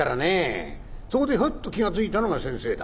そこでヒョイッと気が付いたのが先生だ。